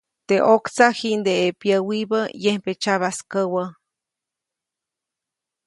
Teʼ ʼoktsaʼ jiʼndeʼe pyäwibä, yembe tsyabaskäwä.